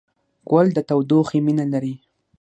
ګل د تودوخې مینه لري.